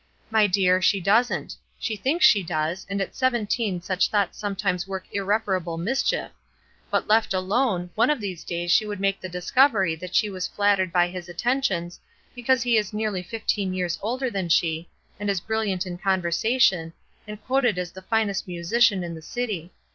My dear, she doesn't; she thinks she does, and at seventeen such thoughts sometimes work irreparable mischief; but left alone, one of these days she would make the discovery that she was flattered by his attentions, because he is nearly fifteen years older than she, and is brilliant in conversation, and quoted as the finest musician in the city.